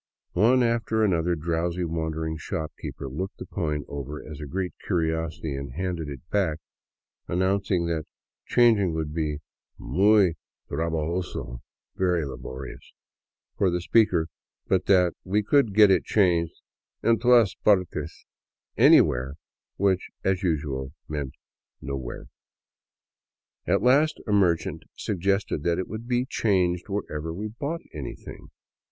One after another drowsy, wondering shopkeepers looked the coin over as a great curiosity and handed it back, announcing that the changing would be " muy trabajoso "—" very laborious "— for the speaker, but that we could get it changed " en to'as partes "—" anywhere," which, as usual, meant nowhere. At last a merchant suggested that it would be changed wherever we bought anything.